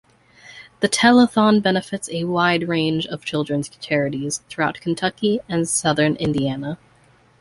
The telethon benefits a wide range of children's charities throughout Kentucky and southern Indiana.